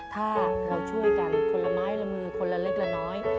ถ้าเราช่วยกันคนละไม้ละมือคนละเล็กละน้อย